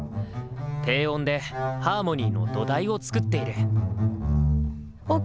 低音でハーモニーの土台を作っている。